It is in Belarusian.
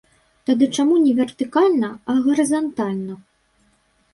Тады чаму не вертыкальна, а гарызантальна?